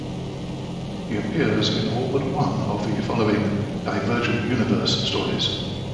He appears in all but one of the following Divergent Universe stories.